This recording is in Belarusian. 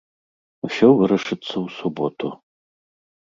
Усё вырашыцца ў суботу.